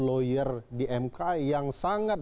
lawyer di mk yang sangat